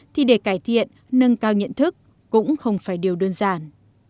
thì để cải thiện nâng cao nhận thức cũng không phải điều đơn giản